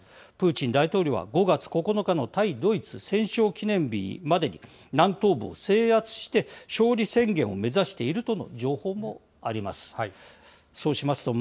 プーチン大統領は５月９日の対ドイツ戦勝記念日までに、南東部を制圧して、勝利宣言を目指しているとの情報もあります。